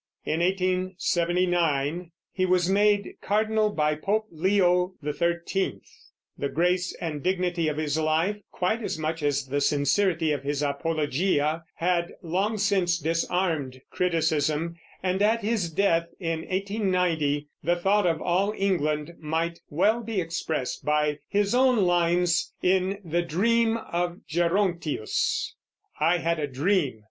In 1879 he was made cardinal by Pope Leo XIII. The grace and dignity of his life, quite as much as the sincerity of his Apologia, had long since disarmed criticism, and at his death, in 1890, the thought of all England might well be expressed by his own lines in "The Dream of Gerontius": I had a dream.